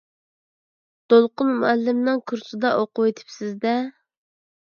دولقۇن مۇئەللىمنىڭ كۇرسىدا ئوقۇۋېتىپسىز-دە.